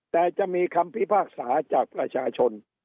แต่จะมีคำพิพากษาจากประชาชน